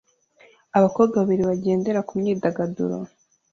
Abakobwa babiri bagendera kumyidagaduro